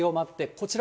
こちら。